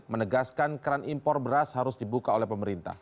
menegaskan keran impor beras harus dibuka oleh pemerintah